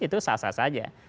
itu sah sah saja